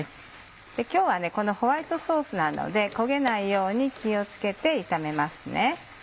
今日はホワイトソースなので焦げないように気を付けて炒めますね。